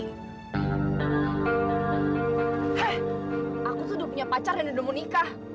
hei aku tuh udah punya pacar yang udah mau nikah